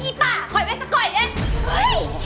อีป้าคอยไม่ศักดิ์เก่าอีสต้อง